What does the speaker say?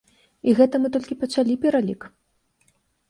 І гэта мы толькі пачалі пералік!